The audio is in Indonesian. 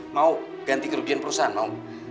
mau ganti kerugian perusahaan mau